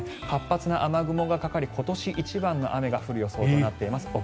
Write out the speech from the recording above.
活発な雨雲がかかり今年一番の雨が降る予想となっています。